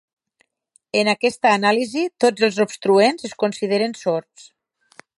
En aquesta anàlisi, tots els obstruents es consideren sords.